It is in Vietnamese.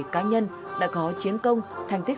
cá nhân đã có chiến công thành tích